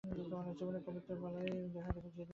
জীবনে কবিত্বের বালাই প্রথম দেখা দিল যেদিন তোমাকে দেখলুম।